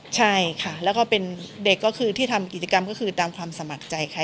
ใช่ค่ะแล้วก็เป็นเด็กก็คือที่ทำกิจกรรมก็คือตามความสมัครใจค่ะ